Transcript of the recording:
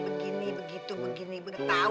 begini begitu begini betau